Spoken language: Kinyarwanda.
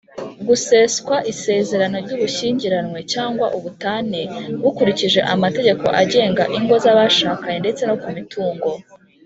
guseswa isezerano ry ubushyingiranywe cyangwa ubutane bukurikije amategeko agenga ingo z’abashakanye ndetse no kumitungo.